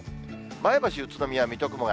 前橋、宇都宮、水戸、熊谷。